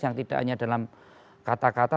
yang tidak hanya dalam kata kata